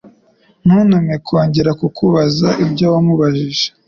Ntuntume kongera kukubaza ibya wamubajije.